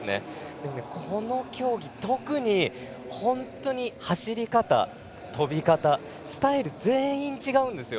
でも、この競技は走り方、跳び方スタイルが全員違うんですよ。